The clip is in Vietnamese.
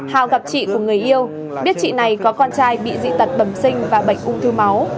hào gặp chị của người yêu biết chị này có con trai bị dị tật bầm sinh và bệnh ung thư máu